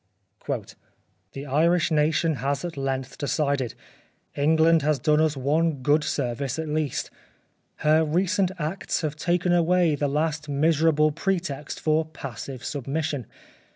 " The Irish Nation has at length decided. England has done us one good service at least. Her recent acts have taken away the last miser able pretext for passive submission.